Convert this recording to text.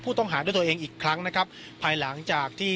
ผู้ต้องหาด้วยตัวเองภายหลังจากที่